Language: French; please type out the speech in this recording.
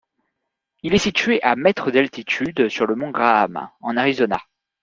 Il est situé à mètres d'altitude sur le mont Graham, en Arizona.